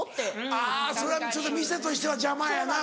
あぁそれはちょっと店としては邪魔やな。